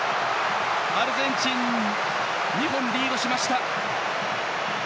アルゼンチンが２本リードしました。